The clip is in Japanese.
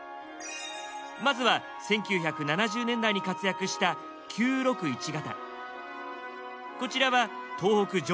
まずは１９７０年代に活躍した９６１形。